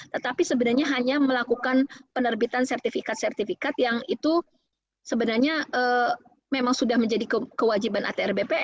tetapi sebenarnya hanya melakukan penerbitan sertifikat sertifikat yang itu sebenarnya memang sudah menjadi kewajiban atr bpn